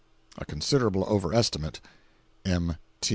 [A considerable over estimate—M.